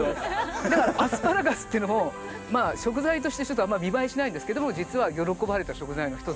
だからアスパラガスっていうのも食材としてちょっとあんま見栄えしないんですけど実は喜ばれた食材のひとつ。